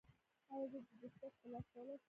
ایا زه دستکشې په لاس کولی شم؟